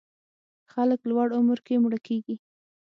خلک لوړ عمر کې مړه کېږي.